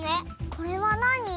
これはなに？